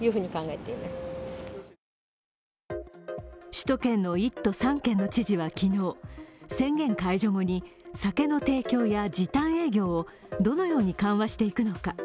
首都圏の１都３県の知事は昨日宣言解除後に酒の提供や時短営業をどのように緩和していくのか。